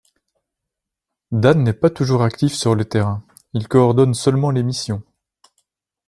Dan n'est pas toujours actif sur le terrain, il coordonne seulement les missions.